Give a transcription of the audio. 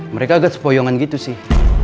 mereka agak sepoyongan gitu sih